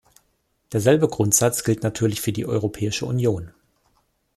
Derselbe Grundsatz gilt natürlich für die Europäische Union.